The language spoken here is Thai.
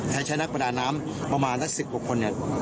ใช้นักประดาน้ำประมาณสัก๑๐กว่าคนเนี่ย